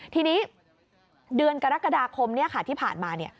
ทีนี้เดือนกรกฎาคมที่ผ่านมา